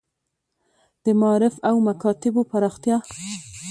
د معارف او مکاتیبو پراختیا.